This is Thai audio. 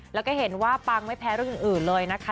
แล้วก็เห็นว่าปังไม่แพ้เรื่องอื่นเลยนะคะ